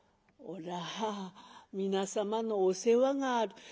「おら皆様のお世話がある」。